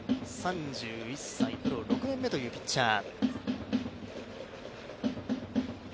３１歳、プロ６年目というピッチャー。